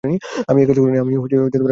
আমি একাজ করিনি।